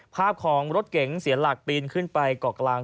ภาพของรถเก๋งเสียหลักปีนขึ้นไปเกาะกลาง